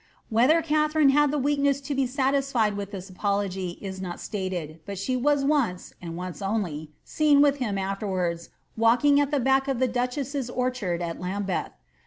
"' Whether Katharine had die weakness to be satisfied with this apology is not stated, but she was once, and once only, seen with him afterwards, walking at the back of the duchesses orchard at Lambeth.